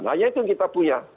hanya itu yang kita punya